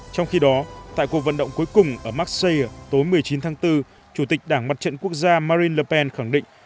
trong khi đó tại cuộc vận động cuối cùng ở marseille tối một mươi chín tháng bốn chủ tịch đảng mặt trận quốc gia marine le pen khẳng định